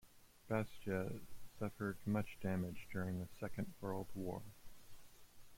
Bastia suffered much damage during the Second World War.